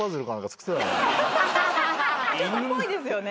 ちょっとぽいですよね。